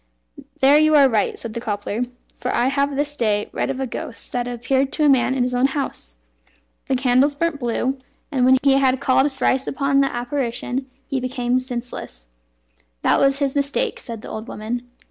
"There you are right," said the cobbler, "for I have this day read of a ghost that appeared to a man in his own house. The candles burnt blue, and when he had called thrice upon the apparition, he became senseless." "That was his mistake," said the old woman.